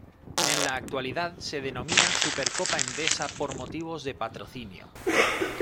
En la actualidad se denomina Supercopa Endesa por motivos de patrocinio.